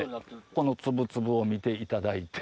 この粒々を見ていただいて。